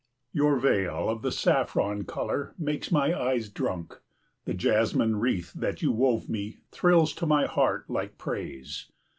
Your veil of the saffron colour makes my eyes drunk. The jasmine wreath that you wove me thrills to my heart like praise.